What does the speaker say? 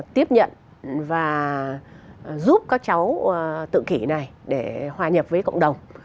tiếp nhận và giúp các cháu tự kỷ này để hòa nhập với cộng đồng